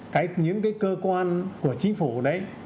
cái những cái cơ quan của chính phủ đấy